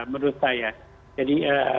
menurut saya jadi